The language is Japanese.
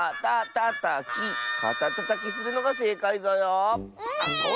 かたたたきするのがせいかいぞよ。